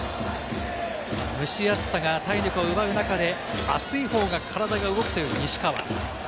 蒸し暑さが体力を奪う中で、暑い方が体が動くという西川。